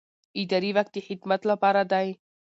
اداري واک د خدمت لپاره دی.